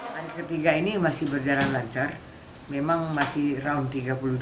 hari ketiga ini masih berjalan lancar memang masih round tiga puluh dua